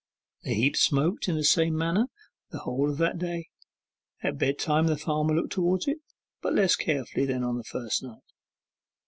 The heap smoked in the same manner the whole of that day: at bed time the farmer looked towards it, but less carefully than on the first night.